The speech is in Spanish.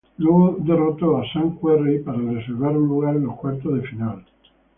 Luego derrotó a Sam Querrey para reservar un lugar en los cuartos de final.